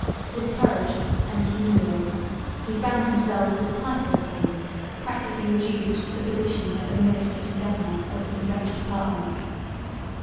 Discouraged and humiliated, he found himself, with the title of king, practically reduced to the position of administrative governor of some French departments.